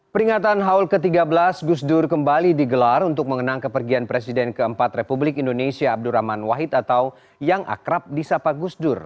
peringatan haul ke tiga belas gusdur kembali digelar untuk mengenang kepergian presiden keempat republik indonesia abdurrahman wahid atau yang akrab di sapa gusdur